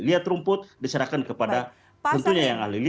lihat rumput diserahkan kepada tentunya yang ahli